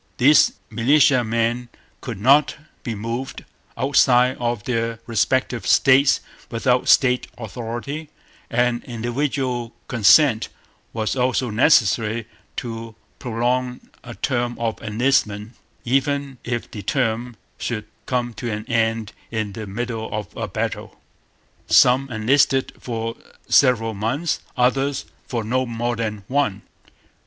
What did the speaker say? These militiamen could not be moved outside of their respective States without State authority; and individual consent was also necessary to prolong a term of enlistment, even if the term should come to an end in the middle of a battle. Some enlisted for several months; others for no more than one.